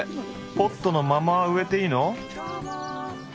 ポットのまま植えていいの？